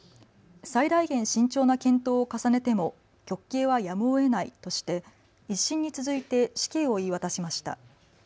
最大限、慎重な検討を重ねても極刑はやむをえないとして１審に続いて死刑を言い渡しました。